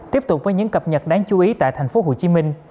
tiếp tục với những cập nhật đáng chú ý tại thành phố hồ chí minh